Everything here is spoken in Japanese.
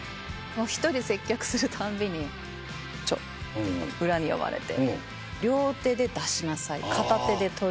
１人接客するたびに「ちょっと」裏に呼ばれて。